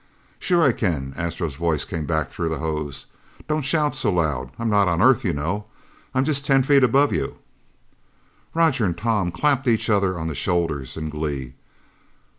"Sure I can." Astro's voice came back through the hose. "Don't shout so loud! I'm not on Earth, you know. I'm just ten feet above you!" Roger and Tom clapped each other on the shoulders in glee.